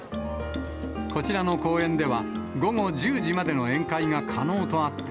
こちらの公園では、午後１０時までの宴会が可能とあって、